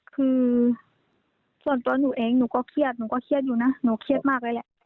คือส่วนตัวหนูเองหนูก็เครียดมากเลยแหละ